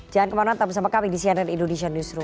jangan kemana tetap bersama kami di cnn indonesia newsroom